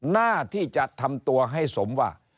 หน้าที่จะทำตัวให้สมว่า